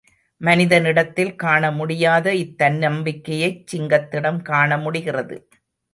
மனிதனிடத்தில் காணமுடியாத இத் தன்னம்பிக்கையைச் சிங்கத்திடம் காண முடிகிறது.